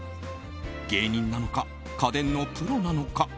芸人なのか、家電のプロなのか。